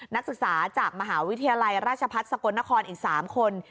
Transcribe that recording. นักศึกษาจากมหาวิทยาลัยราชพัฒน์สกลนครอีก๓คน